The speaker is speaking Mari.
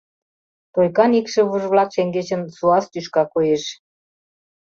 Тойкан икшывыже-влак шеҥгечын суас тӱшка коеш.